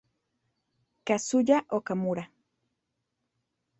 Kazuya Okamura